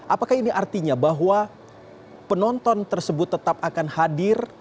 apakah ini artinya bahwa penonton tersebut tetap akan hadir